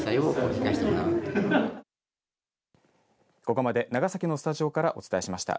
ここまで長崎のスタジオからお伝えしました。